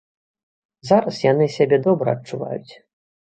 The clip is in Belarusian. Зараз яны сябе добра адчуваюць.